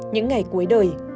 những ngày cuối đời